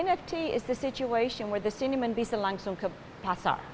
nft adalah situasi di mana cintanya bisa langsung ke pasar